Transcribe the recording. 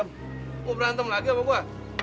mau berantem lagi sama gua